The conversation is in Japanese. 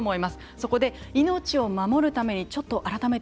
そこで命を守るためにちょっと改めて